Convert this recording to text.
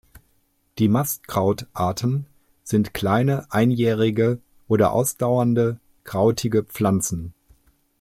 Die Mastkraut-Arten sind kleine einjährige oder ausdauernde krautige Pflanzen.